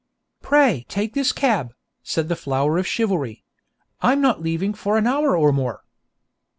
'Pray take this cab,' said the flower of chivalry. 'I am not leaving for an hour or more.'